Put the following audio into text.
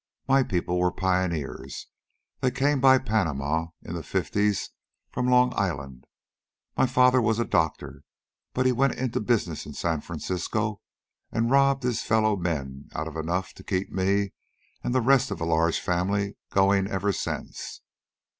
My people were pioneers. They came by Panama, in the Fifties, from Long Island. My father was a doctor, but he went into business in San Francisco and robbed his fellow men out of enough to keep me and the rest of a large family going ever since.